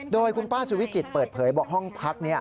โดยคุณป้าสุวิจิตเปิดเผยบอกห้องพัก